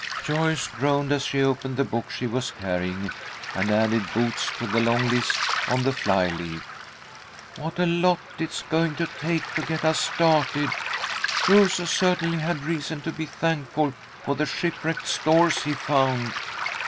Joyce groaned as she opened the book she was carrying, and added boots to the long list on the fly leaf. "What a lot it's going to take to get us started. Crusoe certainly had reason to be thankful for the shipwrecked stores he found."